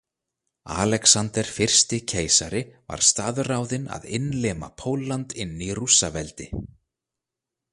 Alexander fyrsti keisari var staðráðinn að innlima Pólland inn í Rússaveldi.